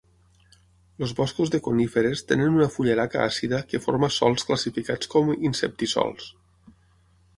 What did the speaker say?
Els boscos de coníferes tenen una fullaraca àcida que forma sòls classificats com inceptisòls.